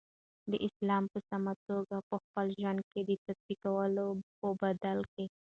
د اسلام په سمه توګه په خپل ژوند کی د تطبیقولو په بدل کی